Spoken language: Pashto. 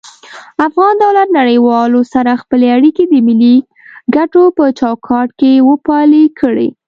افغان دولت نړيوالو سره خپلی اړيکي د ملي کټو په چوکاټ کي وپالی کړي